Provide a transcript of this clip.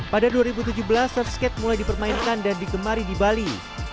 pada dua ribu tujuh belas surfskate mulai dipermainkan dan digemari di bali